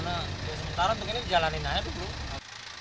sementara mungkin dijalankan aja dulu